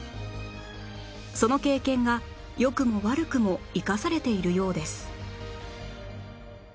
その経験が良くも悪くも生かされているようです